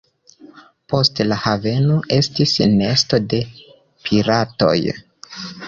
Poste la haveno estis nesto de piratoj.